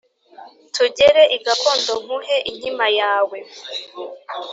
tugere i kagondo nguhe inkima yawe,